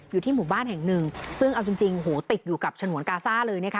อยู่ที่หมู่บ้านแห่งหนึ่งซึ่งเอาจริงจริงโหติดอยู่กับฉนวนกาซ่าเลยนะคะ